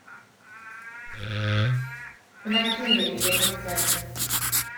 Wnaeth Mary ddim ateb.